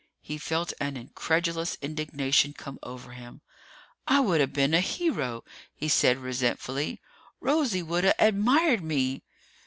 He felt an incredulous indignation come over him. "I woulda been a hero!" he said resentfully. "Rosie woulda admired me!